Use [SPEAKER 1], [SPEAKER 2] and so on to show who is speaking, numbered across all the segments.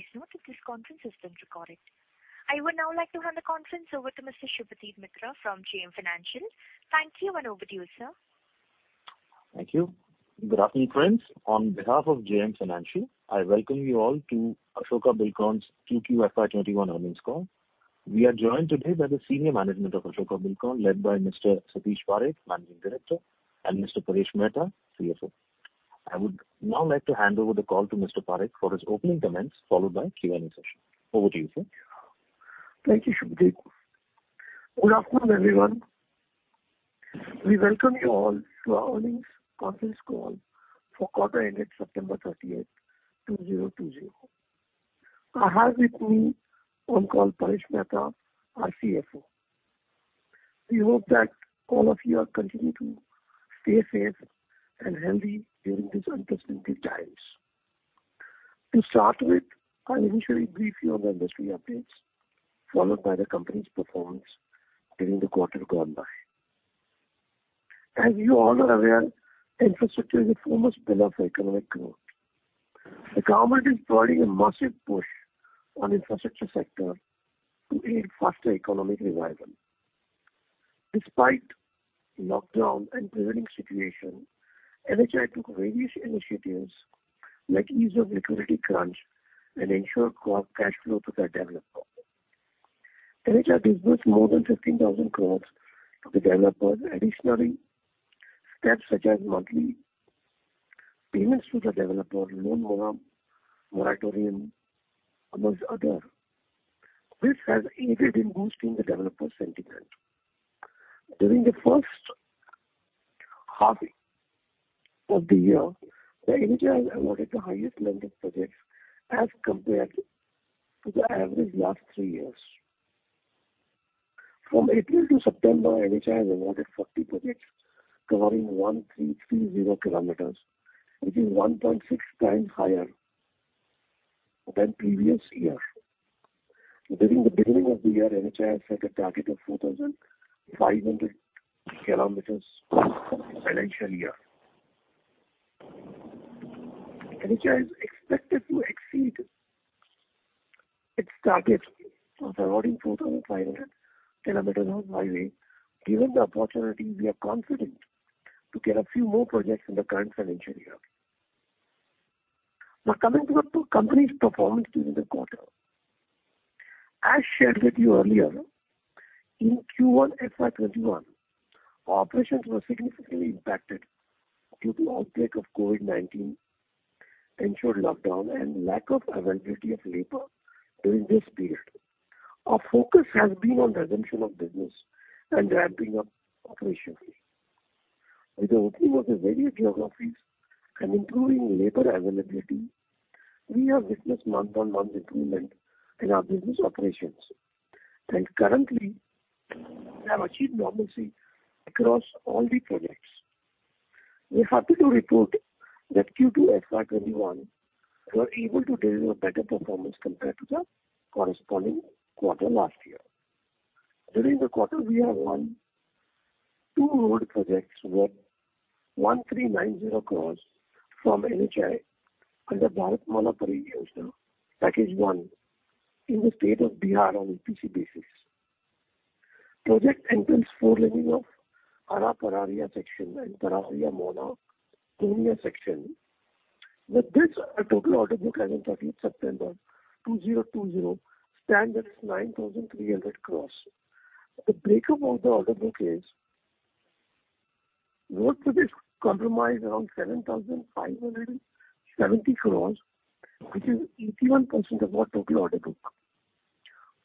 [SPEAKER 1] Please note that this conference is being recorded. I would now like to hand the conference over to Mr. Subhadip Mitra from JM Financial. Thank you, and over to you, sir.
[SPEAKER 2] Thank you. Good afternoon, friends. On behalf of JM Financial, I welcome you all to Ashoka Buildcon's Q2 FY 2021 earnings call. We are joined today by the senior management of Ashoka Buildcon, led by Mr. Satish Parakh, Managing Director, and Mr. Paresh Mehta, CFO. I would now like to hand over the call to Mr. Parakh for his opening comments, followed by Q&A session. Over to you, sir.
[SPEAKER 3] Thank you, Subhadip. Good afternoon, everyone. We welcome you all to our earnings conference call for quarter ended September 30, 2020. I have with me on call Paresh Mehta, our CFO. We hope that all of you are continuing to stay safe and healthy during these unprecedented times. To start with, I'll initially brief you on the industry updates, followed by the company's performance during the quarter gone by. As you all are aware, infrastructure is a foremost pillar for economic growth. The government is providing a massive push on infrastructure sector to aid faster economic revival. Despite lockdown and prevailing situation, NHAI took various initiatives like ease of liquidity crunch and ensure CORE cash flow to the developer. NHAI disbursed more than 15,000 crore to the developers. Additionally, steps such as monthly payments to the developer, loan moratorium, among other, which has aided in boosting the developer sentiment. During the first half of the year, the NHAI has awarded the highest length of projects as compared to the average last three years. From April to September, NHAI has awarded 40 projects covering 1,330 kilometers, which is 1.6 times higher than previous year. During the beginning of the year, NHAI has set a target of 4,500 kilometers financial year. NHAI is expected to exceed its target of awarding 4,500 kilometers of highway. Given the opportunity, we are confident to get a few more projects in the current financial year. Now, coming to the company's performance during the quarter. As shared with you earlier, in Q1 FY 2021, our operations were significantly impacted due to outbreak of COVID-19, ensured lockdown, and lack of availability of labor during this period. Our focus has been on resumption of business and ramping up operationally. With the opening of the various geographies and improving labor availability, we have witnessed month-on-month improvement in our business operations, and currently, we have achieved normalcy across all the projects. We're happy to report that Q2 FY 2021, we were able to deliver a better performance compared to the corresponding quarter last year. During the quarter, we have won two road projects worth 1,390 crore from NHAI under Bharatmala Pariyojana Package One in the state of Bihar on EPC basis. Project entails four laning of Araria-Pararia section and Pararia-Mohania section. With this, our total order book as on 30th September 2020 stands at 9,300 crore. The breakup of the order book is, road projects comprise around 7,570 crore, which is 81% of our total order book.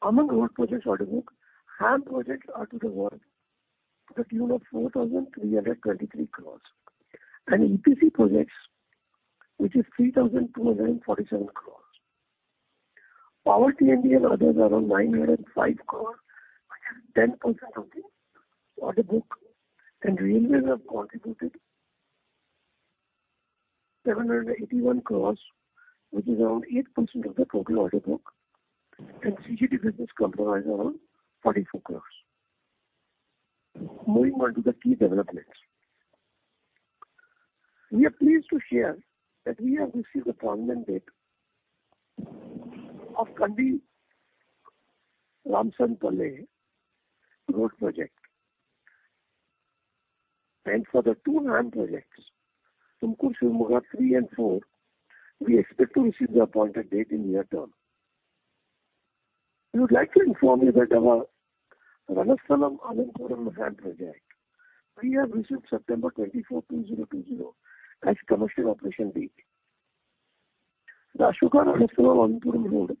[SPEAKER 3] Among road projects order book, HAM projects are worth to the tune of 4,323 crore, and EPC projects, which is 3,247 crore. Power T&D and others around 905 crore, which is 10% of the order book, and railways have contributed 781 crore, which is around 8% of the total order book, and CGD business comprises around 44 crore. Moving on to the key developments. We are pleased to share that we have received the formal date of Kandi-Ramsanpalle road project. For the two HAM projects, Tumkur-Shivamogga 3 and 4, we expect to receive the appointed date in near term. We would like to inform you that our Ranastalam-Anandapuram road HAM project, we have received September 24, 2020, as commercial operation date. The Ashoka Ranastalam-Anandapuram road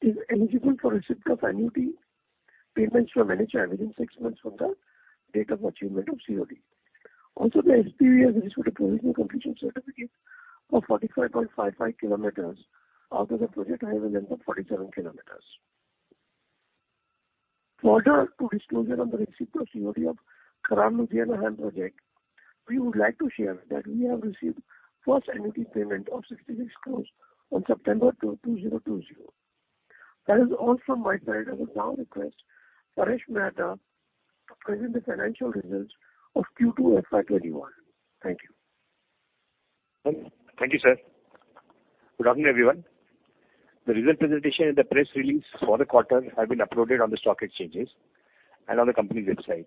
[SPEAKER 3] is eligible for receipt of annuity payments from NHAI within six months from the date of achievement of COD. Also, the SPV has issued a provisional completion certificate of 45.55 kilometers out of the project highway length of 47 kilometers. Further to disclosure on the receipt of COD of Kharagpur-Chowringhee HAM project, we would like to share that we have received first annuity payment of 66 crore on September 2, 2020. That is all from my side. I will now request Paresh Mehta to present the financial results of Q2 FY 2021. Thank you.
[SPEAKER 4] Thank you, sir. Good afternoon, everyone. The result presentation and the press release for the quarter have been uploaded on the stock exchanges and on the company's website.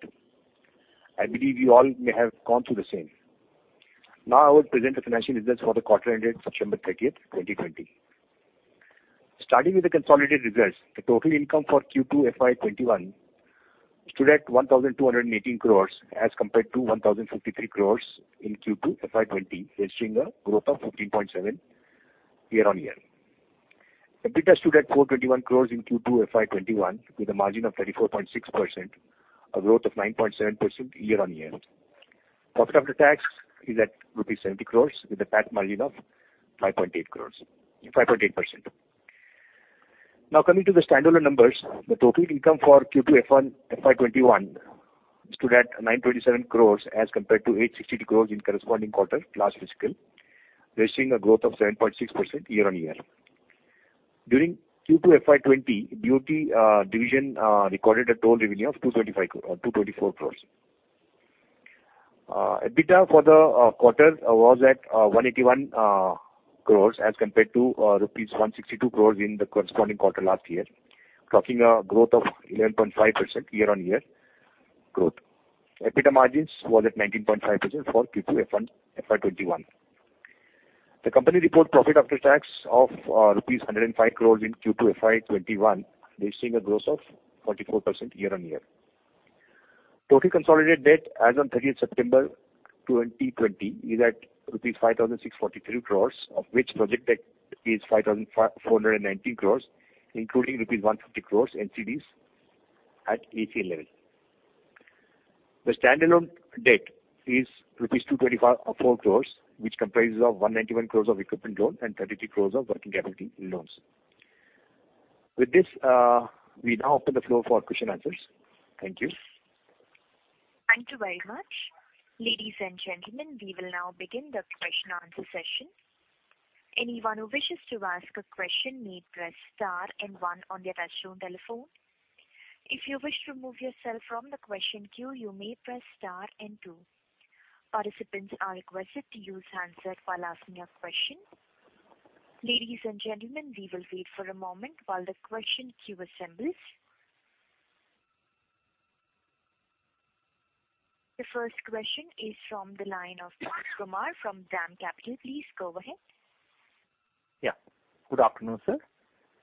[SPEAKER 4] I believe you all may have gone through the same. Now I will present the financial results for the quarter ended September 30, 2020. Starting with the consolidated results, the total income for Q2 FY 2021 stood at 1,218 crore, as compared to 1,053 crore in Q2 FY 2020, registering a growth of 15.7% year-on-year. EBITDA stood at 421 crore in Q2 FY 2021, with a margin of 34.6%, a growth of 9.7% year-on-year. Profit after tax is at rupees 70 crore, with a PAT margin of 5.8%. Now coming to the standalone numbers, the total income for Q2 FY 2021 stood at 927 crore, as compared to 862 crore in corresponding quarter last fiscal, registering a growth of 7.6% year-on-year. During Q2 FY 2020, duty division recorded a total revenue of 224 crore. EBITDA for the quarter was at 181 crore, as compared to rupees 162 crore in the corresponding quarter last year, taking a growth of 11.5% year-on-year growth. EBITDA margins was at 19.5% for Q2 FY 2021. The company report profit after tax of rupees 105 crore in Q2 FY 2021, registering a growth of 44% year-on-year. Total consolidated debt as on 30 September 2020 is at rupees 5,643 crore, of which project debt is 5,419 crore, including rupees 150 crore NCDs at ACL level. The standalone debt is rupees 224 crore, which comprises of 191 crore of equipment loan and 33 crore of working capital loans. With this, we now open the floor for question answers. Thank you.
[SPEAKER 1] Thank you very much. Ladies and gentlemen, we will now begin the question and answer session. Anyone who wishes to ask a question may press star and one on their touchtone telephone. If you wish to remove yourself from the question queue, you may press star and two. Participants are requested to use handset while asking your question. Ladies and gentlemen, we will wait for a moment while the question queue assembles. The first question is from the line of Mohit Kumar from DAM Capital. Please go ahead.
[SPEAKER 5] Yeah. Good afternoon, sir.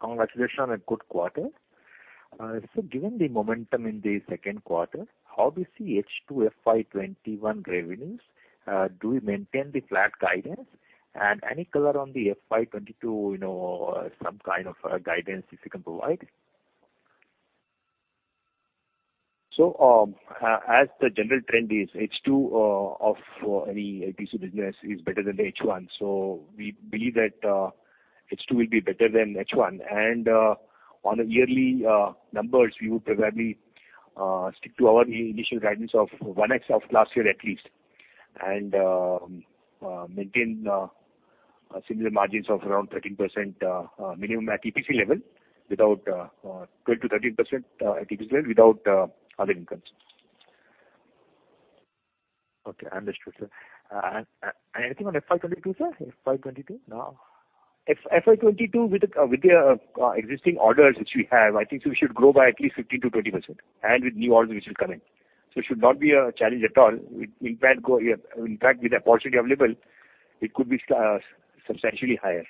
[SPEAKER 5] Congratulations on a good quarter. So given the momentum in the second quarter, how do you see H2 FY 2021 revenues? Do we maintain the flat guidance? And any color on the FY 2022, you know, some kind of a guidance if you can provide?
[SPEAKER 4] As the general trend is, H2 of any EPC business is better than the H1. We believe that H2 will be better than H1. On yearly numbers, we would probably stick to our initial guidance of 1x of last year at least, and maintain similar margins of around 13% minimum at EPC level, without 12%-13% at EPC level, without other incomes.
[SPEAKER 5] Okay, understood, sir. Anything on FY 2022, sir? FY 2022?
[SPEAKER 4] No. FY 2022, with the, with the, existing orders which we have, I think so we should grow by at least 15%-20% and with new orders which will come in. So it should not be a challenge at all. In fact, in fact, with the opportunity available, it could be substantially higher.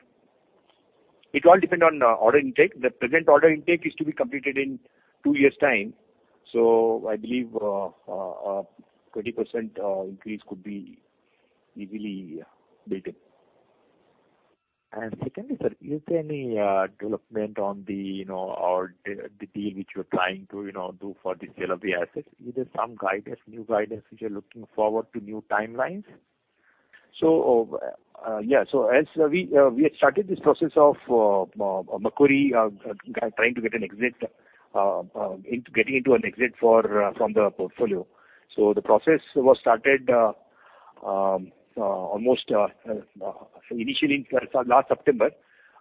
[SPEAKER 4] It all depend on order intake. The present order intake is to be completed in two years' time, so I believe a 20% increase could be easily built in.
[SPEAKER 5] And secondly, sir, is there any development on the, you know, or the deal which you're trying to, you know, do for the sale of the assets? Is there some guidance, new guidance, which you're looking forward to new timelines?
[SPEAKER 4] So, yeah. So as we had started this process of Macquarie trying to get an exit into getting into an exit for from the portfolio. So the process was started almost initially last September.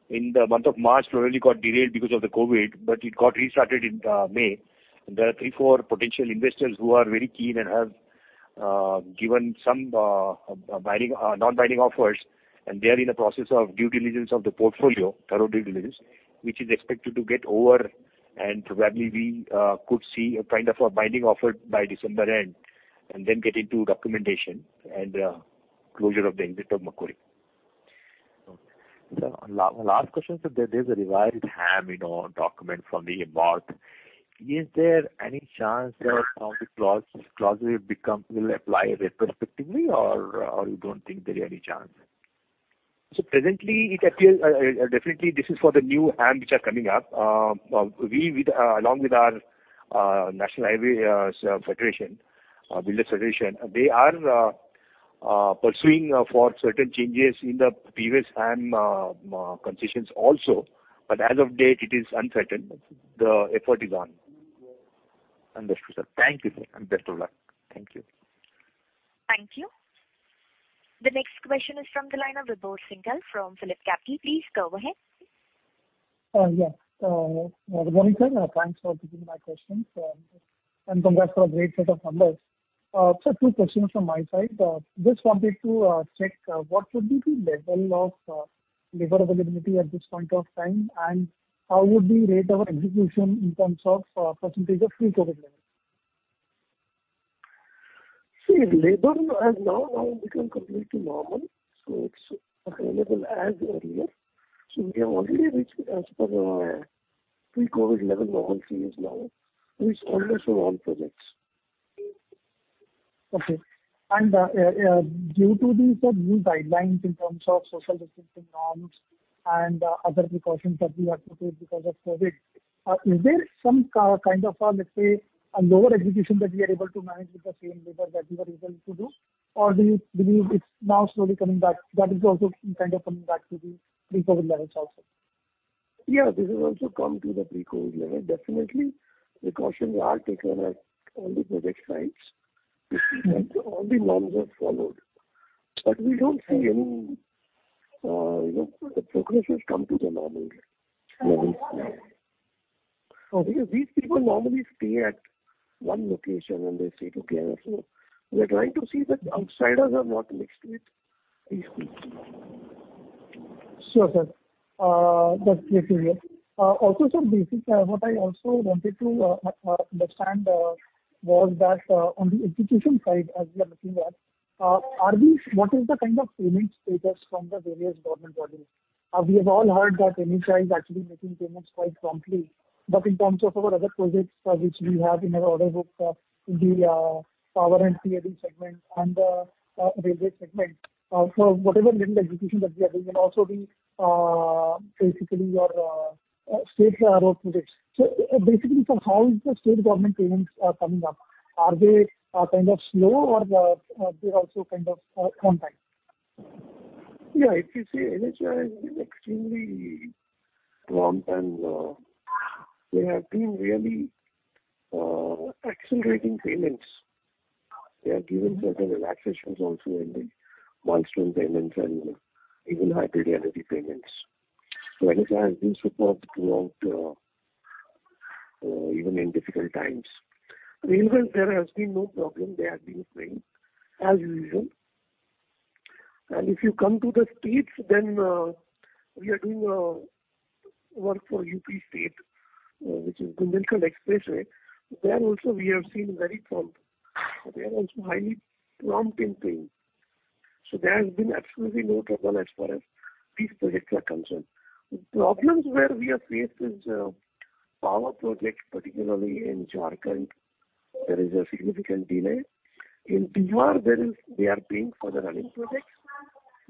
[SPEAKER 4] In the month of March, slowly got derailed because of the COVID, but it got restarted in May. There are three-four potential investors who are very keen and have given some binding non-binding offers, and they are in the process of due diligence of the portfolio, thorough due diligence, which is expected to get over, and probably we could see a kind of a binding offer by December end, and then get into documentation and closure of the exit of Macquarie.
[SPEAKER 5] Okay. Sir, last question, sir. There's a revised HAM, you know, document from the MoRTH. Is there any chance that some of the clause, clauses become, will apply retrospectively, or, or you don't think there is any chance?
[SPEAKER 4] So presently, it appears, definitely this is for the new HAM which are coming up. We, with along with our National Highways Builders Federation, they are pursuing for certain changes in the previous HAM concessions also. But as of date, it is uncertain. The effort is on.
[SPEAKER 5] Understood, sir. Thank you, sir, and best of luck.
[SPEAKER 4] Thank you.
[SPEAKER 1] Thank you. The next question is from the line of Vibhor Singhal from Phillip Capital. Please go ahead.
[SPEAKER 6] Yeah. Good morning, sir. Thanks for taking my questions, and congrats for a great set of numbers. So two questions from my side. Just wanted to check what would be the level of labor availability at this point of time, and how would we rate our execution in terms of percentage of pre-COVID levels?
[SPEAKER 3] See, labor has now become completely normal, so it's available as earlier. So we have already reached as per, pre-COVID level normal stage now, which almost in all projects.
[SPEAKER 6] Okay. Due to these new guidelines in terms of social distancing norms and other precautions that we have to take because of COVID, is there some kind of, let's say, a lower execution that we are able to manage with the same labor that we were able to do? Or do you believe it's now slowly coming back, that is also kind of coming back to the pre-COVID levels also?
[SPEAKER 3] Yeah, this has also come to the pre-COVID level. Definitely, precautions are taken at all the project sites to see that all the norms are followed. But we don't see any, you know, the progress has come to the normal levels.
[SPEAKER 6] Okay.
[SPEAKER 3] Because these people normally stay at one location, and they stay together, so we are trying to see that outsiders are not mixed with these people.
[SPEAKER 6] Sure, sir. That's clear to me. Also, sir, basically, what I also wanted to understand was that, on the execution side, as we are looking at, what is the kind of payment status from the various government bodies? We have all heard that NHAI is actually making payments quite promptly, but in terms of our other projects, which we have in our order book, in the power and civil segment and railway segment, so whatever little execution that we are doing will also be basically your state road projects. So, basically, sir, how is the state government payments are coming up? Are they kind of slow or are they also kind of on time?
[SPEAKER 3] Yeah, if you see, NHAI is extremely prompt and they have been really accelerating payments. They have given certain relaxations also in the milestone payments and even hybrid annuity payments. So NHAI has been superb throughout, even in difficult times. Railways, there has been no problem. They have been paying as usual. And if you come to the states, then we are doing work for U.P. State, which is the Bundelkhand Expressway. There also we have seen very prompt. They are also highly prompt in paying. So there has been absolutely no trouble as far as these projects are concerned. The problems where we have faced is power projects, particularly in Jharkhand, there is a significant delay. In Bihar, there is, they are paying for the running projects,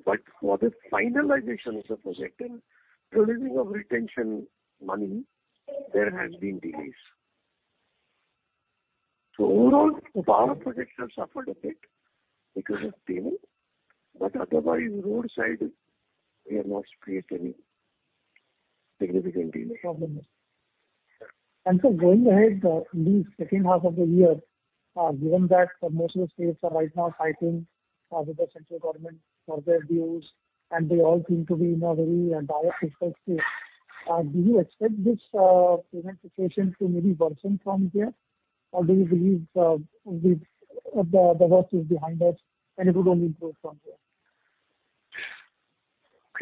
[SPEAKER 3] but for the finalization of the project and releasing of retention money, there has been delays. So overall, the power projects have suffered a bit because of payment, but otherwise, road side, we have not faced any significant delay.
[SPEAKER 6] No problem. And so going ahead, in the second half of the year, given that most of the states are right now fighting with the central government for their dues, and they all seem to be in a very dire fiscal state, do you expect this payment situation to maybe worsen from here? Or do you believe, with the worst is behind us and it would only improve from here?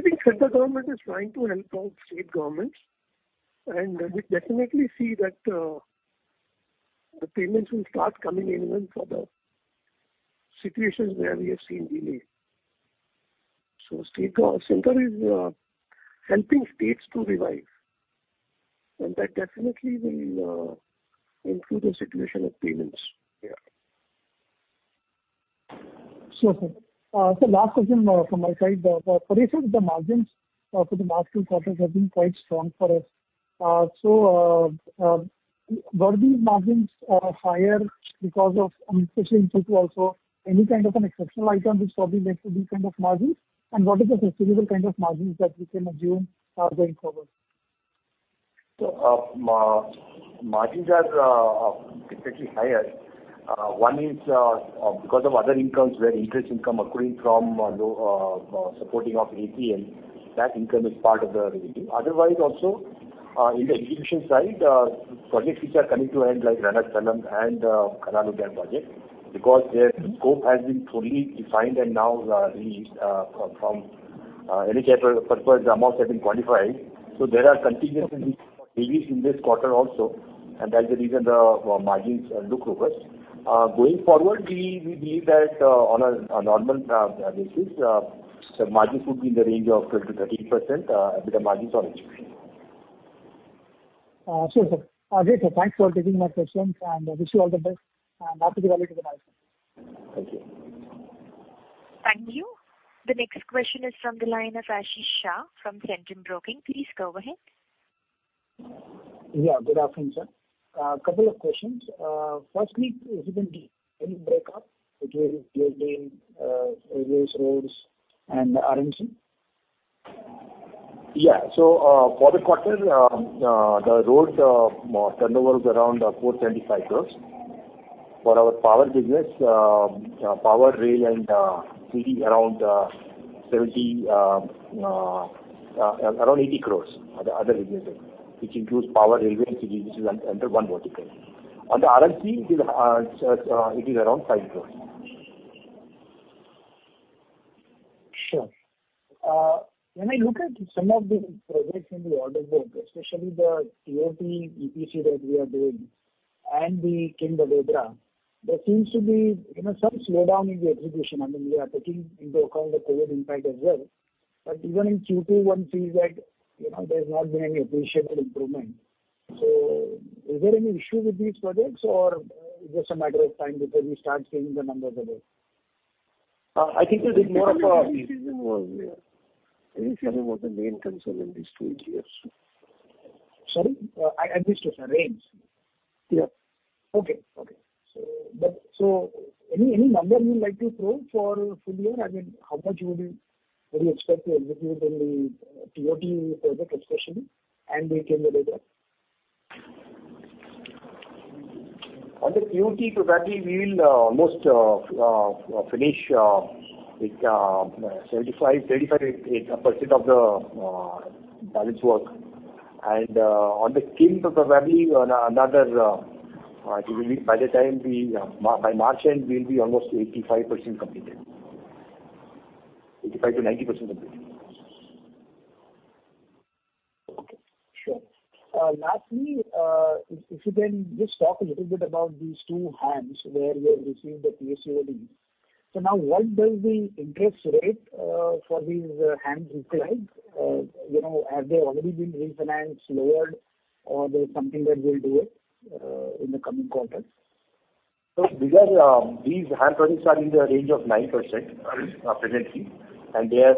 [SPEAKER 3] I think central government is trying to help out state governments, and we definitely see that the payments will start coming in even for the situations where we have seen delay. So center is helping states to revive, and that definitely will improve the situation of payments. Yeah.
[SPEAKER 6] Sure, sir. So last question from my side. Paresh sir, the margins for the last two quarters have been quite strong for us. So, were these margins higher because of, especially in Q2 also, any kind of an exceptional item which probably led to these kind of margins? And what is the sustainable kind of margins that we can assume, going forward?
[SPEAKER 4] Margins are especially higher. One is because of other incomes, where interest income accruing from low supporting of APM, that income is part of the revenue. Otherwise, also, in the execution side, projects which are coming to end, like Ranastalam Anandapuram and Khairatunda Barwa Adda project, because their scope has been fully defined and now released from any capital purpose, the amounts have been quantified. So there are contingencies released in this quarter also, and that's the reason the margins look robust. Going forward, we believe that on a normal basis, the margins would be in the range of 12%-13%, with the margins on execution.
[SPEAKER 6] Sure, sir. Great, sir. Thanks for taking my questions, and wish you all the best, and back to the value to the market.
[SPEAKER 4] Thank you.
[SPEAKER 1] Thank you. The next question is from the line of Ashish Shah from Centrum Broking. Please go ahead.
[SPEAKER 7] Yeah, good afternoon, sir. Couple of questions. Firstly, has there been any breakup between railways, roads, and RMC?
[SPEAKER 4] Yeah. So, for the quarter, the roads turnover was around 475 crore. For our power business, power, railway and city around 70 crore-80 crore are the other businesses, which includes power, railway and city, which is under one vertical. On the RMC, it is around 5 crore.
[SPEAKER 7] Sure. When I look at some of the projects in the order book, especially the TOT EPC that we are doing and the Vadodara-Kim, there seems to be, you know, some slowdown in the execution. I mean, we are taking into account the COVID impact as well. But even in Q2, one sees that, you know, there's not been any appreciable improvement. So is there any issue with these projects or just a matter of time before we start seeing the numbers again? I think this is more of a-
[SPEAKER 3] Can you tell me what the main concern in these two years?
[SPEAKER 7] Sorry? At least a range.
[SPEAKER 3] Yeah.
[SPEAKER 7] Okay. So, any number you'd like to throw for full year? I mean, how much would you expect to execute in the TOT project especially, and the Kim Vadodara?
[SPEAKER 4] On the TOT project, we will almost finish with 75.358% of the balance work. On the KIM probably on another, it will be by the time we by March end, we'll be almost 85% completed. 85%-90% completed.
[SPEAKER 7] Okay. Sure. Lastly, if you can just talk a little bit about these two HAMs where you have received the PCOD. So now, what does the interest rate for these HAMs look like? You know, have they already been refinanced, lowered, or there's something that will do it in the coming quarters?
[SPEAKER 4] So because, these HAM projects are in the range of 9%, presently, and they have,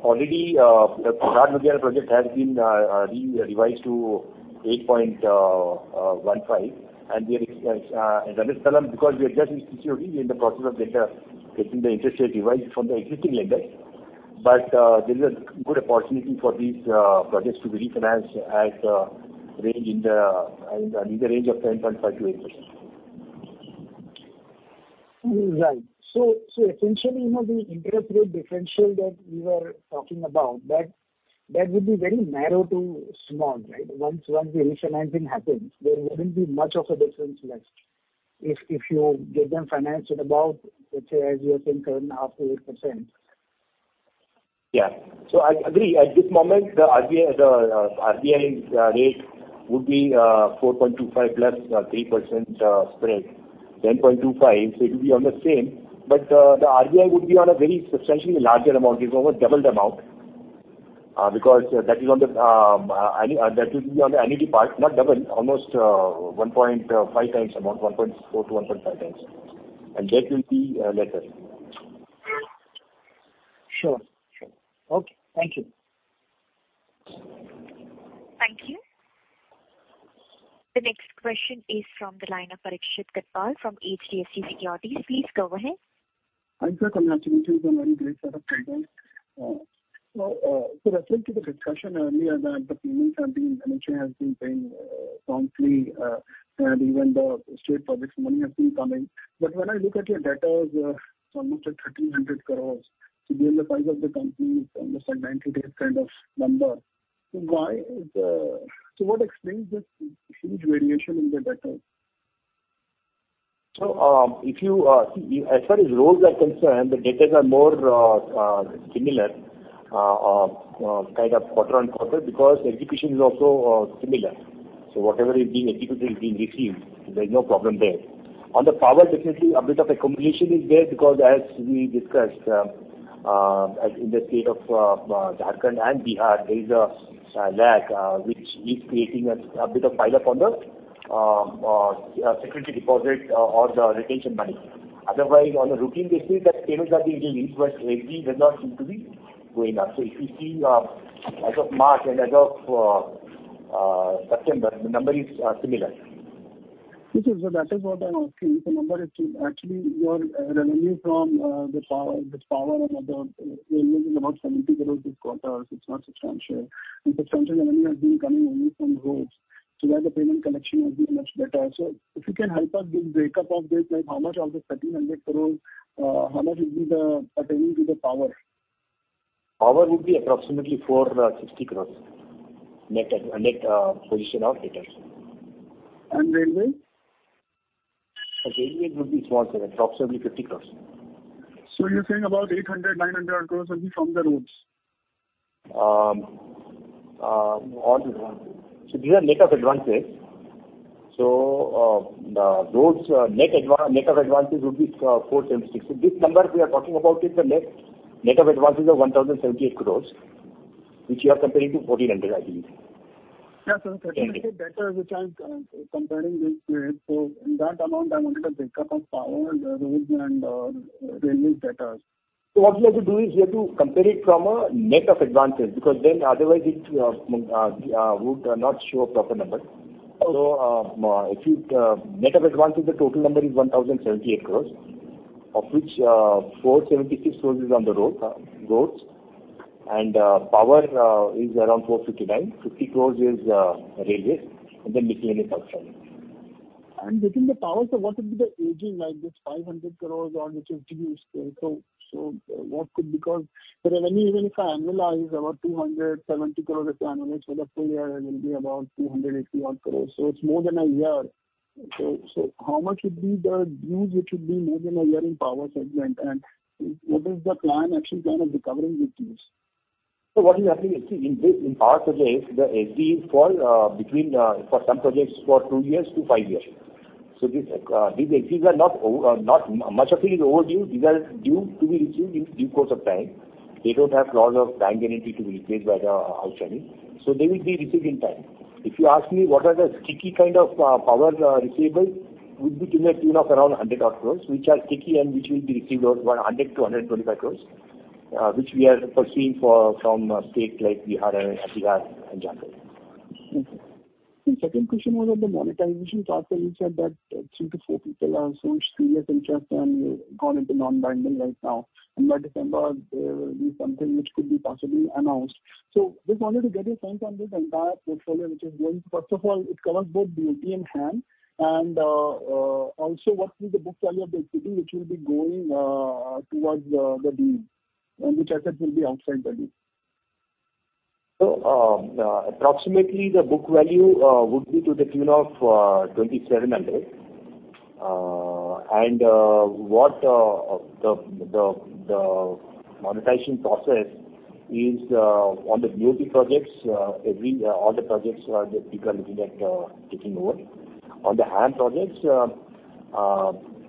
[SPEAKER 4] already, the Khairatunda Barwa Adda project has been, revised to 8.15%. And we are, and because we are just in the process of getting the interest rate revised from the existing lenders. But, there is a good opportunity for these, projects to be refinanced at range in the, in the range of 10.5%-8%.
[SPEAKER 7] Right. So essentially, you know, the interest rate differential that we were talking about, that would be very narrow to small, right? Once the refinancing happens, there wouldn't be much of a difference left, if you get them financed at about, let's say, as you have been turning up to 8%.
[SPEAKER 4] Yeah. So I agree. At this moment, the RBI, the, RBI rate would be, 4.25 plus, 3% spread, 10.25. So it will be on the same, but, the RBI would be on a very substantially larger amount. It's almost double the amount, because that is on the, that will be on the annual part, not double, almost, 1.5 times amount, 1.4-1.5 times. And that will be, later.
[SPEAKER 7] Sure. Sure. Okay. Thank you.
[SPEAKER 1] Thank you. The next question is from the line of Parikshit Kandpal from HDFC Securities. Please go ahead.
[SPEAKER 8] Hi, sir, congratulations on a very great set of results. So, so referring to the discussion earlier, that the payment on the initiative has been paying promptly, and even the state projects money has been coming. But when I look at your debtors, it's almost at 1,300 crore. So the NFIs of the company is almost like 90 days kind of number. So why is... So what explains this huge variation in the debtors?
[SPEAKER 4] So, if you, as far as roads are concerned, the debtors are more similar kind of quarter-on-quarter, because execution is also similar. So whatever is being executed is being received. There is no problem there. On the power, definitely a bit of accumulation is there, because as we discussed, as in the state of Jharkhand and Bihar, there is a lag which is creating a bit of pileup on the security deposit or the retention money. Otherwise, on a routine basis, the payments are being released, but lately does not seem to be going up. So if you see, as of March and as of September, the number is similar.
[SPEAKER 8] Okay, so that is what I'm asking. The number is actually your revenue from the power, the power and other revenue is about 70 crore this quarter. So it's not substantial. The substantial revenue has been coming only from roads, so that the payment collection would be much better. So if you can help us with the breakup of this, like how much of the 1,300 crore, how much would be the, attending to the power?
[SPEAKER 4] Power would be approximately 460 crore, net, net, position of debtors.
[SPEAKER 8] And railway?
[SPEAKER 4] Railway would be small, sir. Approximately INR 50 crore.
[SPEAKER 8] So you're saying about 800 crore-900 crore will be from the roads?
[SPEAKER 4] All together. So these are net of advances. So, the roads, net of advances would be 476 crore. So this number we are talking about is the net of advances of 1,078 crore, which you are comparing to 1,400 crore, I think.
[SPEAKER 8] Yes, sir. Certainly, the data which I'm comparing with, so in that amount, I wanted a break-up of power, and roads, and railway debtors.
[SPEAKER 4] What you have to do is you have to compare it from a net of advances, because then otherwise it would not show a proper number.
[SPEAKER 8] Okay.
[SPEAKER 4] If you net of advances, the total number is 1,078 crore, of which 476 crore is on roads, and power is around 459 crore. 50 crore is railway, and then miscellaneous also.
[SPEAKER 8] Within the power, so what would be the aging, like 500 crore or it will continue still? So, so what could be, because the revenue, even if I annualize, about 270 crore, if I annualize for the full year, it will be about 280 odd crore. So it's more than a year. So, so how much would be the dues, which would be more than a year in power segment? And what is the plan, actual plan of recovering the dues?
[SPEAKER 4] So what is happening, see, in this, in our projects, the SDs fall between for some projects, for two-five years. So these SDs are not overdue. Much of it is overdue. These are due to be received in due course of time. They don't have a lot of time left to be replaced by the outstanding, so they will be received in time. If you ask me what are the sticky kind of power receivables would be to the tune of around 100 odd crore, which are sticky and which will be received over 100 crore-125 crore, which we are pursuing from states like Bihar, Uttar Pradesh, and Jharkhand.
[SPEAKER 8] Okay. The second question was on the monetization process. You said that three-four people are seriously interested, and gone into non-binding right now, and by December, there will be something which could be possibly announced. So just wanted to get a sense on this entire portfolio, which is going. First of all, it covers both BOT and HAM, and also what is the book value of the equity which will be going towards the deal, and which I said will be outside the deal?
[SPEAKER 4] Approximately the book value would be to the tune of 2,700. And what the monetization process is on the BOT projects, all the projects the people are looking at taking over. On the HAM projects,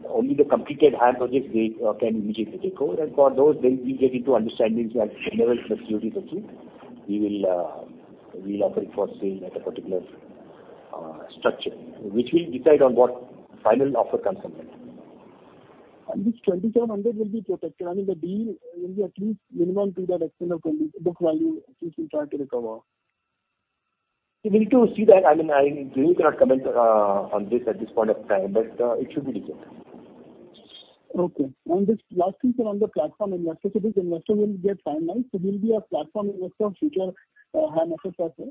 [SPEAKER 4] only the completed HAM projects they can immediately take over. And for those, we get into understanding and generate the security procedure. We'll offer it for sale at a particular structure, which will decide on what final offer comes from there.
[SPEAKER 8] This 2,700 will be protected, I mean, the deal will be at least minimum to the extent of 20 book value, which we try to recover.
[SPEAKER 4] We need to see that. I mean, I really cannot comment on this at this point of time, but it should be decent.
[SPEAKER 8] Okay. Just last piece on the platform investor, so this investor will get finalized. So will be a platform investor of future HAM assets also?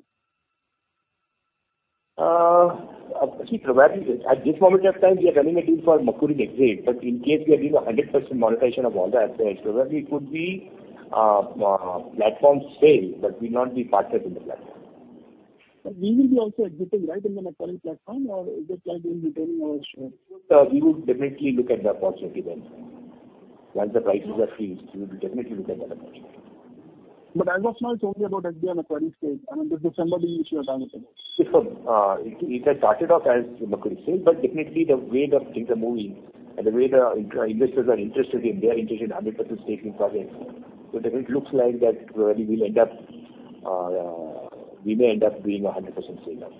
[SPEAKER 4] See, probably at this moment of time, we are running a deal for majority exit, but in case we are doing a 100% monetization of all the assets, probably it could be a platform sale, but we not be partners in the platform.
[SPEAKER 8] But we will be also exited, right, in the majority platform, or is it like in return or so?
[SPEAKER 4] We would definitely look at the opportunity then. Once the prices are fixed, we will definitely look at that opportunity.
[SPEAKER 8] But as of now, it's only about SBI and Macquarie sale, I mean, the December deal which you are talking about.
[SPEAKER 4] It had started off as majority sale, but definitely the way the things are moving and the way the investors are interested in, they are interested in 100% stake in projects. So definitely it looks like that probably we'll end up, we may end up doing a 100% sale.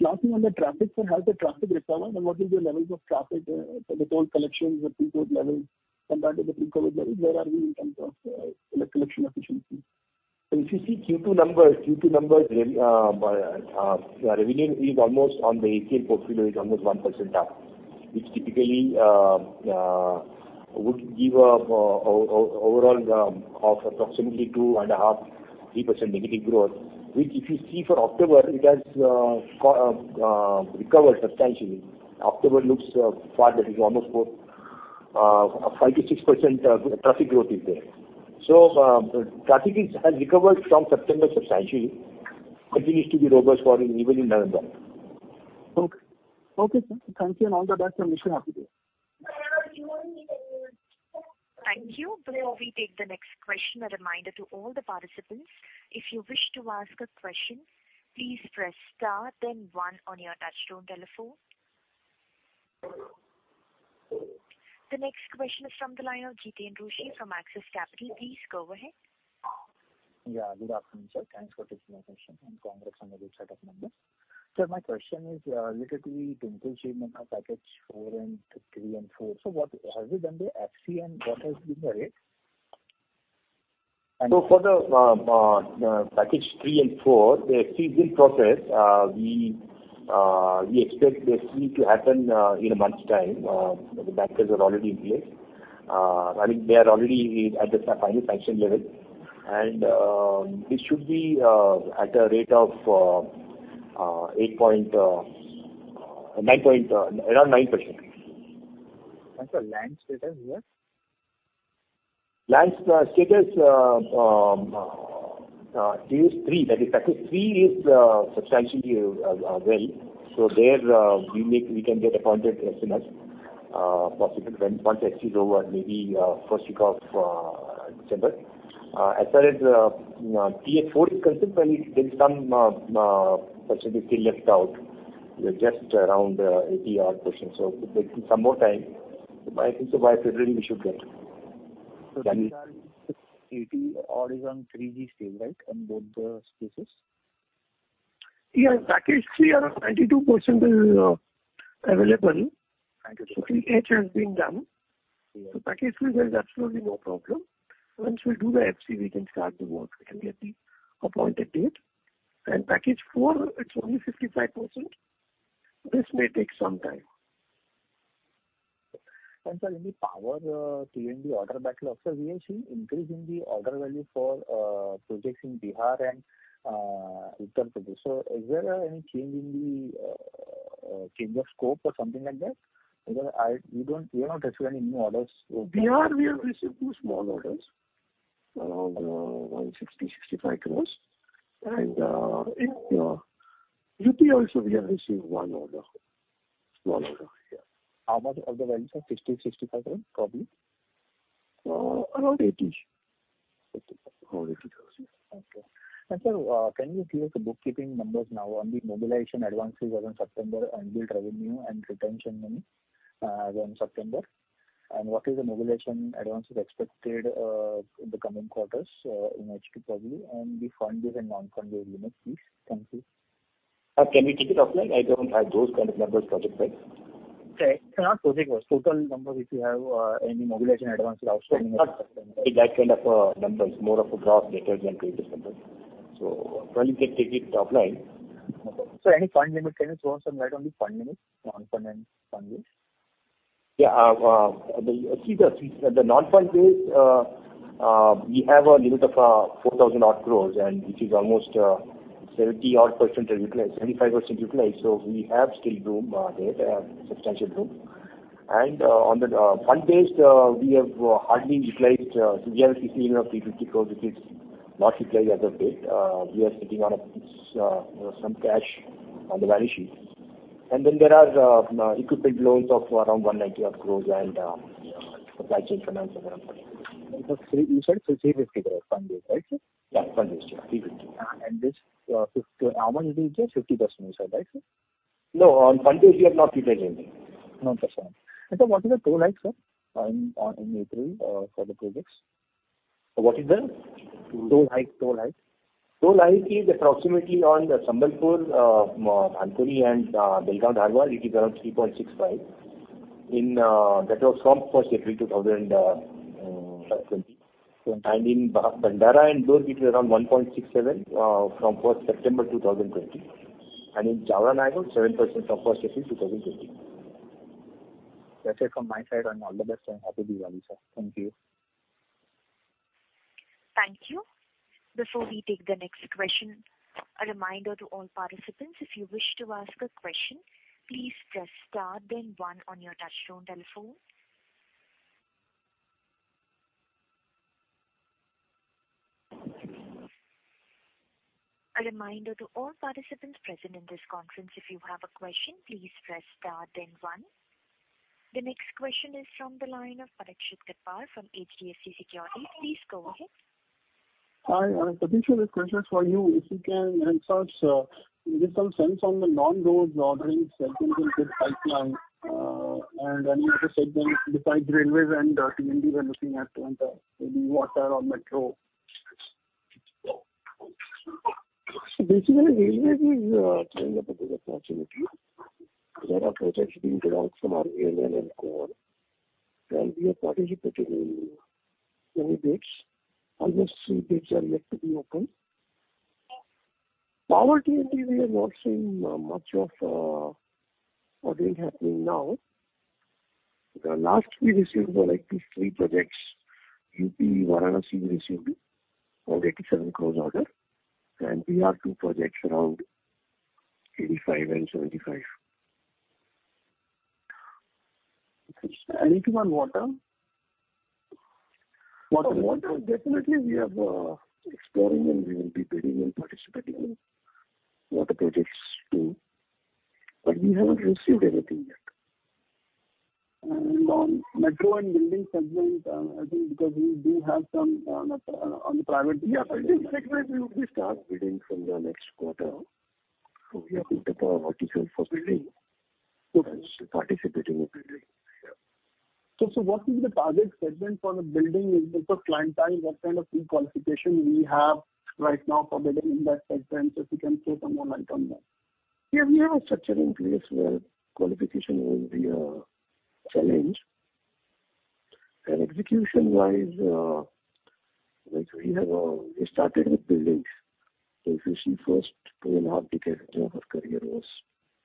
[SPEAKER 8] Lastly, on the traffic, sir, how is the traffic recovery and what is the levels of traffic, the toll collections, the pre-COVID levels compared to the pre-COVID levels? Where are we in terms of, collection efficiency?
[SPEAKER 4] If you see Q2 numbers, revenue is almost on the EPC portfolio 1% up, which typically would give an overall of approximately 2.5%-3% negative growth, which if you see for October, it has recovered substantially. October looks far better, it's almost about 5%-6% traffic growth is there. So traffic has recovered from September substantially, continues to be robust even in November.
[SPEAKER 8] Okay. Okay, sir. Thank you, and all the best on mission of the day.
[SPEAKER 1] Thank you. Before we take the next question, a reminder to all the participants. If you wish to ask a question, please press Star then One on your touchtone telephone. The next question is from the line of Jiteen Rushe from Axis Capital. Please go ahead.
[SPEAKER 9] Yeah, good afternoon, sir. Thanks for taking my question, and congrats on the good set of numbers. Sir, my question is related to the procurement of Package 4 and 3 and 4. So what have you done the FC and what has been the rate?
[SPEAKER 4] So for the Package 3 and 4, the FC is in process. We expect the FC to happen in a month's time. The bankers are already in place. I think they are already at the final sanction level, and it should be at a rate of 8.9% around 9%.
[SPEAKER 9] Sir, land status here?
[SPEAKER 4] Land status is 3. That is, Package 3 is substantially well, so there we can get appointed as soon as possible when once FC is over, maybe first week of December. As far as Package 4 is concerned, there is some percentage still left out. We are just around 80-odd%, so there's some more time. I think so by February we should get.
[SPEAKER 9] These are 80-odd on 3G stage, right, on both the phases?
[SPEAKER 8] Yeah, Package 3, around 92% is available, and so 3H has been done....
[SPEAKER 3] So package three, there is absolutely no problem. Once we do the FC, we can start the work and get the Appointed Date. And package four, it's only 55%. This may take some time.
[SPEAKER 9] Sir, in the power T&D order backlog, sir, we are seeing increase in the order value for projects in Bihar and Uttar Pradesh. So is there any change in the change of scope or something like that? Because I, we don't, we have not received any new orders.
[SPEAKER 3] Bihar, we have received two small orders, around 165 crore. U.P. also, we have received one order, small order, yeah.
[SPEAKER 9] How about of the values are INR 60 crore-INR 65 crore, probably?
[SPEAKER 3] Around 80.
[SPEAKER 4] Fifty-five.
[SPEAKER 9] Around 80 crore. Okay. Sir, can you clear the bookkeeping numbers now on the mobilization advances as on September, unbilled revenue and retention money, as on September? What is the mobilization advances expected in the coming quarters, in HP probably, and the fund-based and non-fund-based limits, please? Thank you.
[SPEAKER 4] Can we take it offline? I don't have those kind of numbers project-wise.
[SPEAKER 9] Okay. Not project-wise, total number, if you have, any mobilization advance-
[SPEAKER 4] Not exact kind of numbers, more of a draft data than previous numbers. So probably we can take it offline.
[SPEAKER 9] Any fund limit, can you throw some light on the fund limit, non-fund and fund-based?
[SPEAKER 4] Yeah, the non-fund based, we have a limit of 4,000-odd crore, and which is almost 70-odd% utilized, 75% utilized. So we have still room there, a substantial room. And on the fund-based, we have hardly utilized. So we have 30 crore-35 crore, which is not utilized as of date. We are sitting on some cash on the balance sheet. And then there are equipment loans of around 190-odd crore and supply chain finance around 30.
[SPEAKER 9] You said 50 crore-60 crore fund-based, right, sir?
[SPEAKER 4] Yeah, fund-based, yeah, INR 350.
[SPEAKER 9] And this, how much it is just 50%, you said, right, sir?
[SPEAKER 4] No, on fund-based, we have not utilized anything.
[SPEAKER 9] 0%. Sir, what is the toll hike, sir, in April, for the projects?
[SPEAKER 4] What is the?
[SPEAKER 9] Toll hike, toll hike.
[SPEAKER 4] Toll hike is approximately on the Sambalpur-Baragarh and Belgaum-Dharwad, it is around 3.65. In that was from first April 2020. And in Bhandara and Durg, it is around 1.67 from first September 2020. And in Jaora-Nayagaon, 7% from first April 2020.
[SPEAKER 9] That's it from my side, and all the best, and happy Diwali, sir.
[SPEAKER 4] Thank you.
[SPEAKER 1] Thank you. Before we take the next question, a reminder to all participants, if you wish to ask a question, please press star then one on your touchtone telephone. A reminder to all participants present in this conference, if you have a question, please press star then one. The next question is from the line of Parikshit Kandpal from HDFC Securities. Please go ahead.
[SPEAKER 8] Hi, Parikshit, this question is for you. If you can help us, give some sense on the non-road orders, something with good pipeline, and any other segment besides railways and T&D we are looking at, and, maybe water or metro.
[SPEAKER 3] Basically, railway is turning up a good opportunity. There are projects being developed from RVNL and CORE, and we are participating in many bids. Only three bids are yet to be opened. Power T&D, we are not seeing much of order happening now. The last we received were like these three projects. U.P. Varanasi, we received around 87 crore order, and we have two projects around 85 crore and INR 75 crore.
[SPEAKER 8] Anything on water?
[SPEAKER 3] Water, definitely we are exploring, and we will be bidding and participating in water projects, too. But we haven't received anything yet.
[SPEAKER 8] On metro and building segment, I think because we do have some on the, on the private-
[SPEAKER 3] Yeah, building segment, we start bidding from the next quarter. We have to put our vertical for bidding.
[SPEAKER 8] Good.
[SPEAKER 3] Participating in bidding. Yeah.
[SPEAKER 8] What is the target segment for the building in terms of clientele? What kind of pre-qualification we have right now for bidding in that segment, if you can throw some more light on that?
[SPEAKER 3] Yeah, we have a structure in place where qualification won't be a challenge. Execution-wise, like we have, we started with buildings. If you see first two and a half decades of our career was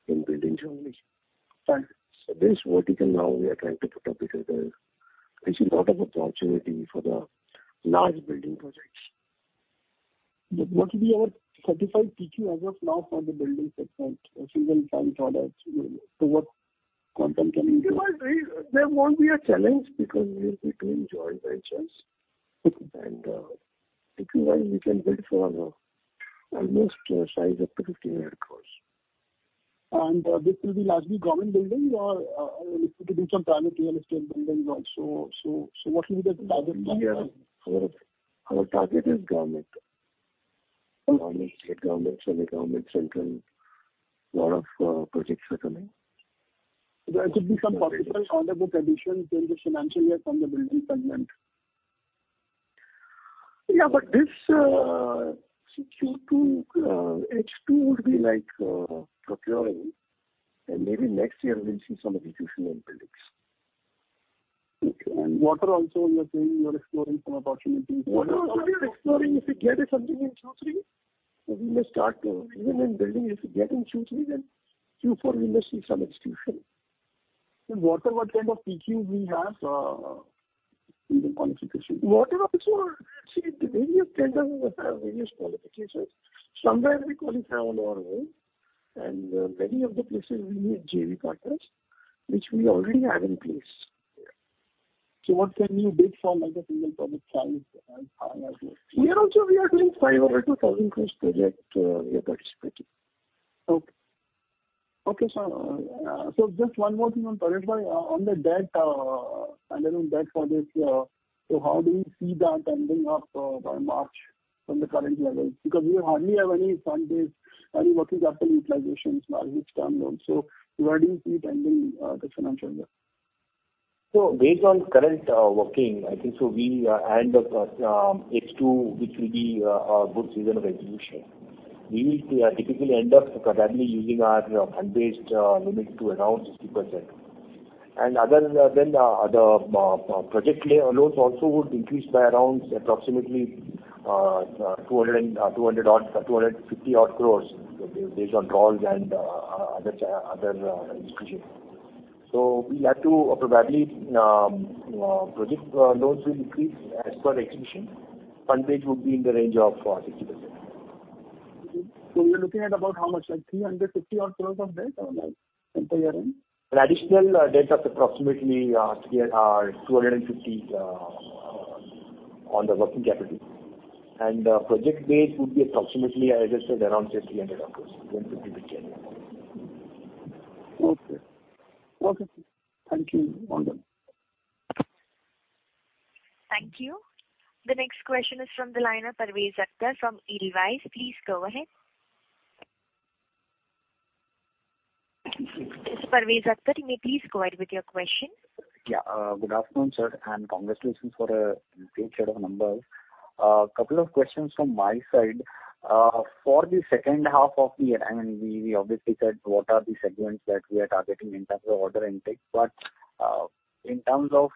[SPEAKER 3] in building only.
[SPEAKER 8] Right.
[SPEAKER 3] This vertical now we are trying to put up together. We see a lot of opportunity for the large building projects.
[SPEAKER 8] What will be our certified PQ as of now for the building segment? A single time product, so what quantum can we do?
[SPEAKER 3] There won't be a challenge because we will be doing joint ventures. PQ-wise, we can bid for almost size up to INR 50,000,000 crore.
[SPEAKER 8] This will be largely government building or, we could do some private real estate buildings also. So, what will be the target clientele?
[SPEAKER 3] Our target is government. State government, semi-government, central, lot of projects are coming.
[SPEAKER 8] There could be some possible order book addition during the financial year from the building segment?
[SPEAKER 3] Yeah, but this, Q2, H2 would be like, procuring, and maybe next year we'll see some execution in buildings.
[SPEAKER 8] Okay. And water also, you are saying you are exploring some opportunities?
[SPEAKER 3] Water also we are exploring. If we get something in Q3, we may start. Even in building, if we get in Q3, then Q4 we may see some execution.
[SPEAKER 8] In water, what kind of PQ we have, in the qualification?
[SPEAKER 3] Whether also, see, various tenders will have various qualifications. Somewhere we qualify on our own, and many of the places we need JV partners, which we already have in place.
[SPEAKER 8] What can you bid for like a single public challenge as far as you...?
[SPEAKER 3] We are also, we are doing 500 crore-1,000 crore project, we are participating.
[SPEAKER 8] Okay. Okay, sir. So just one more thing on project, sir. On the debt, annual debt for this year, so how do you see that ending up, by March from the current level? Because we hardly have any fund-based, and working capital utilization is now which come down. So where do you see it ending, the financial year?
[SPEAKER 4] So based on current working, I think so we end up H2, which will be a good season of execution. We typically end up probably using our Fund-Based Limit to around 60%. And other than the project-level loans also would increase by around approximately 200-odd crore-250-odd crore, based on draws and other execution. So we'll have to probably project loans will increase as per execution. Fund-Based would be in the range of 60%.
[SPEAKER 8] So we are looking at about how much? Like 350 odd crore of debt or like, in the year end?
[SPEAKER 4] Additional debt of approximately 325 crore on the working capital. Project-based would be approximately, as I said, around 300 crore, then INR 50 billion.
[SPEAKER 8] Okay. Okay, thank you. Wonderful.
[SPEAKER 1] Thank you. The next question is from the line of Parvez Akhtar from Edelweiss. Please go ahead. Parvez Akhtar, you may please go ahead with your question.
[SPEAKER 10] Yeah, good afternoon, sir, and congratulations for a great set of numbers. Couple of questions from my side. For the second half of the year, I mean, we, we obviously said what are the segments that we are targeting in terms of order intake. But, in terms of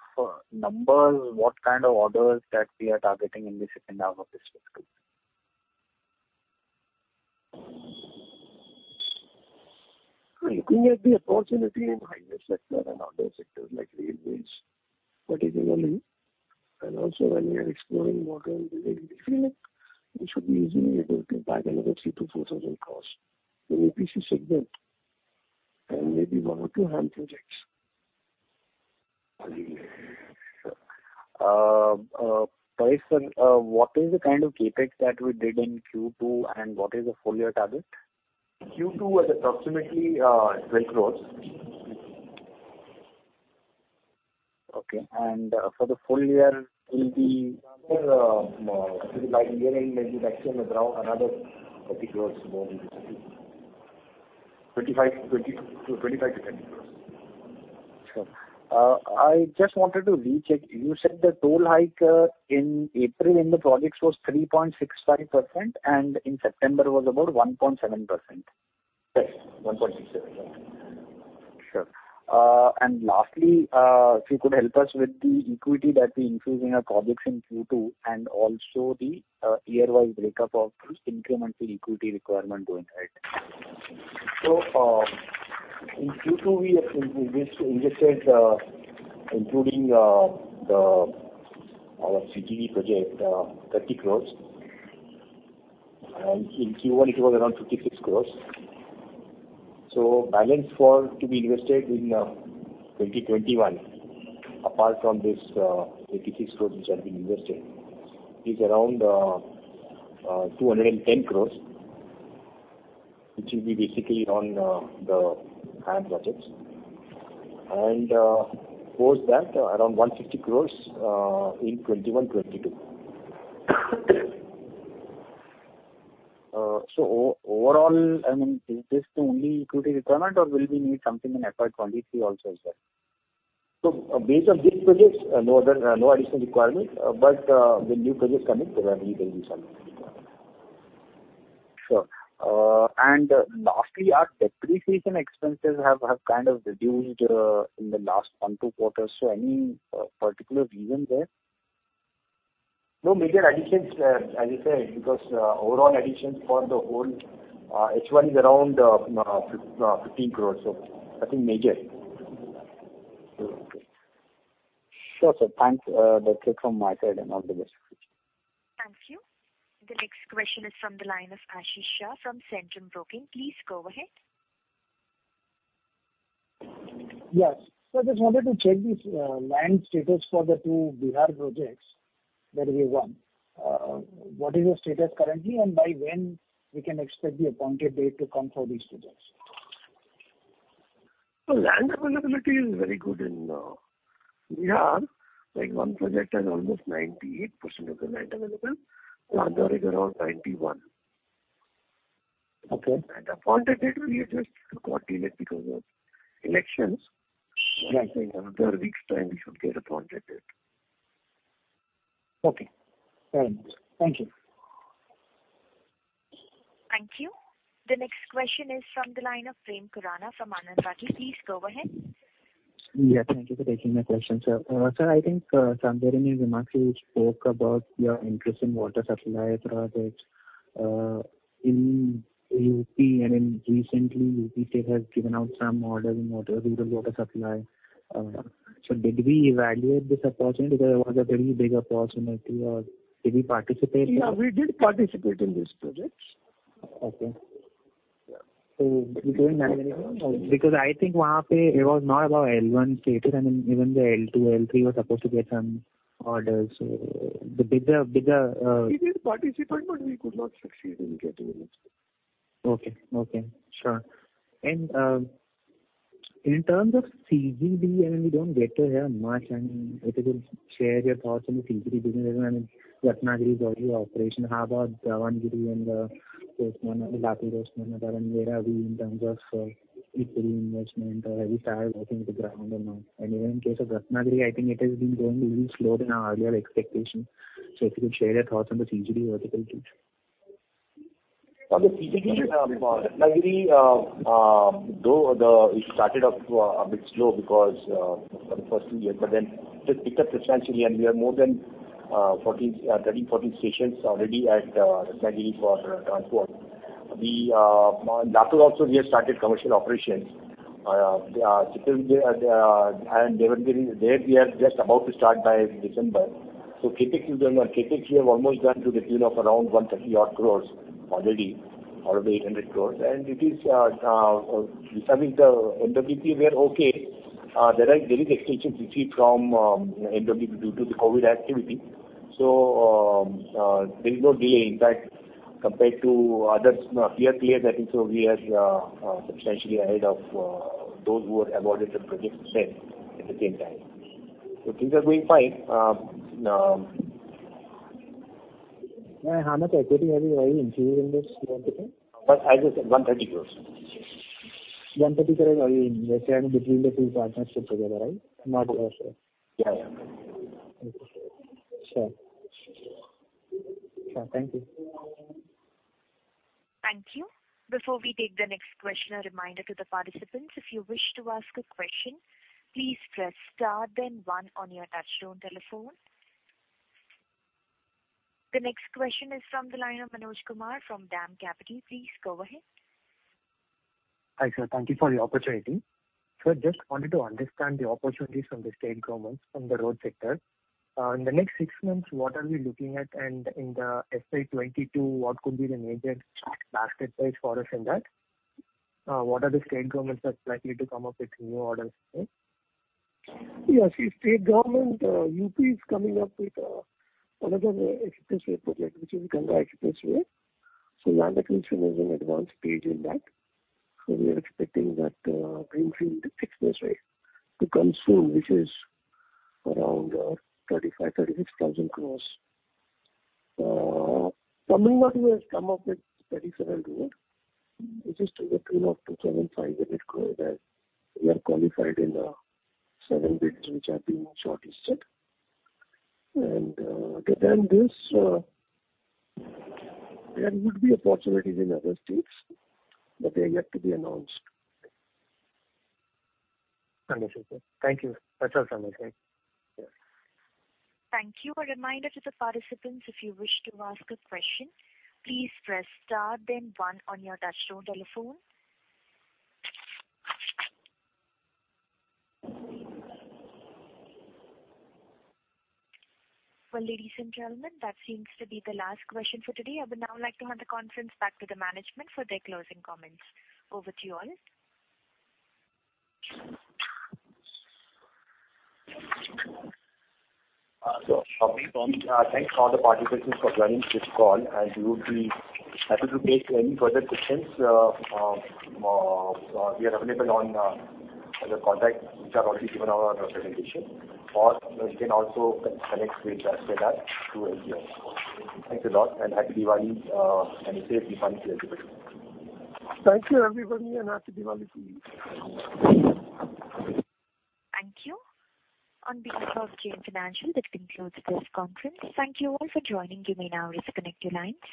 [SPEAKER 10] numbers, what kind of orders that we are targeting in the second half of this fiscal?
[SPEAKER 3] We are looking at the opportunity in highway sector and other sectors like railways, particularly, and also when we are exploring water, we should be easily able to bag another 3,000 crore-4,000 crore in EPC segment, and maybe one or two HAM projects.
[SPEAKER 10] Paresh, sir, what is the kind of CapEx that we did in Q2, and what is the full year target?
[SPEAKER 4] Q2 was approximately INR 12 crore.
[SPEAKER 10] Okay. And, for the full year will be-
[SPEAKER 4] More, maybe like year-end, maybe actually on the ground, another INR 30 crore more than this, INR 25 crore, INR 20 crore, 25 crore-30 crore.
[SPEAKER 10] Sure. I just wanted to recheck. You said the toll hike in April in the projects was 3.65%, and in September was about 1.7%.
[SPEAKER 4] Yes, 1.67.
[SPEAKER 10] Sure. And lastly, if you could help us with the equity that we increased in our projects in Q2, and also the, year-wise breakup of this incremental equity requirement going ahead.
[SPEAKER 4] In Q2, we have invested, including the our CGD project, 30 crore. In Q1, it was around 56 crore. Balance for to be invested in 2021, apart from this 56 crore which have been invested, is around 210 crore, which will be basically on the HAM projects. Post that, around 150 crore in 2021, 2022.
[SPEAKER 10] Overall, I mean, is this the only equity requirement or will we need something in FY 2023 also as well?
[SPEAKER 4] Based on these projects, no other, no additional requirement, but when new projects come in, probably there will be some requirement.
[SPEAKER 10] Sure. And lastly, our depreciation expenses have kind of reduced in the last one, two quarters. So any particular reason there?
[SPEAKER 4] No major additions, as you said, because overall additions for the whole H1 is around 15 crore, so nothing major.
[SPEAKER 10] Sure, sir. Thanks. That's it from my side, and all the best.
[SPEAKER 1] Thank you. The next question is from the line of Ashish Shah from Centrum Broking. Please go ahead.
[SPEAKER 7] Yes. So I just wanted to check the land status for the two Bihar projects that we won. What is the status currently, and by when we can expect the appointed date to come for these projects?
[SPEAKER 3] The land availability is very good in Bihar. Like, one project has almost 98% of the land available, the other is around 91%. Okay, and the Appointed Date we just to coordinate because of elections. I think another week's time, we should get Appointed Date.
[SPEAKER 7] Okay, very much. Thank you.
[SPEAKER 1] Thank you. The next question is from the line of Prem Khurana from Anand Rathi. Please go ahead.
[SPEAKER 11] Yeah, thank you for taking my question, sir. Sir, I think, somewhere in your remarks, you spoke about your interest in water supply projects, in U.P., and in recently, U.P. state has given out some orders in water, rural water supply. So did we evaluate this opportunity? There was a very big opportunity or did we participate?
[SPEAKER 3] Yeah, we did participate in this project.
[SPEAKER 11] Okay. So we didn't manage it? Because I think it was not about L1 status, and even the L2, L3 were supposed to get some orders. So the bigger, bigger,
[SPEAKER 3] We did participate, but we could not succeed in getting the next.
[SPEAKER 11] Okay. Okay, sure. In terms of CGD, we don't get to hear much, and if you could share your thoughts on the CGD business, and Ratnagiri is already operational. How about Davanagere and those one, the Latur, because we are in terms of equity investment, or have you started working on the ground or not? Even in case of Ratnagiri, I think it has been going a little slower than our earlier expectations. So if you could share your thoughts on the CGD vertical too.
[SPEAKER 4] On the CGD, Ratnagiri, though it started off a bit slow because for the first two years, but then it picked up substantially, and we are more than 13, 14 stations already at Ratnagiri for transport. The Latur also, we have started commercial operations, and Davanagere, there we are just about to start by December. So CapEx, we've done, CapEx, we have almost done to the tune of around 130-odd crore already, or 800 crore. And it is, I mean, the MWP were okay. There is extensions received from MWP due to the COVID activity. So, there is no delay. In fact, compared to others, we are clear that so we are substantially ahead of those who have awarded the project then at the same time. So things are going fine.
[SPEAKER 11] How much equity have you, are you increasing this year?
[SPEAKER 4] As I said, INR 130 crore.
[SPEAKER 11] 130 crore are you investing between the two partnerships together, right? Not yourself.
[SPEAKER 4] Yeah, yeah.
[SPEAKER 11] Sure. Sure. Thank you.
[SPEAKER 1] Thank you. Before we take the next question, a reminder to the participants, if you wish to ask a question, please press star then one on your touchtone telephone. The next question is from the line of Manoj Kumar from DAM Capital. Please go ahead.
[SPEAKER 5] Hi, sir. Thank you for the opportunity. So just wanted to understand the opportunities from the state governments on the road sector. In the next six months, what are we looking at? And in the FY 2022, what could be the major basket size for us in that? What are the state governments are likely to come up with new orders?
[SPEAKER 3] Yeah, see, state government, U.P. is coming up with another expressway project, which is Ganga Expressway. So land acquisition is in advanced stage in that. So we are expecting that greenfield expressway to come soon, which is around 35,000 crore-36,000 crore. Tamil Nadu has come up with 37 road, which is to the tune of 2,500 crore, and we are qualified in 7 bids, which have been shortlisted. Other than this, there would be opportunities in other states, but they are yet to be announced.
[SPEAKER 5] Understood, sir. Thank you. That's all from me.
[SPEAKER 1] Thank you. A reminder to the participants, if you wish to ask a question, please press star then one on your touchtone telephone. Well, ladies and gentlemen, that seems to be the last question for today. I would now like to hand the conference back to the management for their closing comments. Over to you all.
[SPEAKER 4] So, thanks to all the participants for joining this call, and we would be happy to take any further questions. We are available on the contact, which are already given on our presentation, or you can also connect with through LTI. Thanks a lot, and happy Diwali, and safe Diwali to everybody.
[SPEAKER 3] Thank you, everybody, and happy Diwali to you.
[SPEAKER 1] Thank you. On behalf of JM Financial, that concludes this conference. Thank you all for joining. You may now disconnect your lines.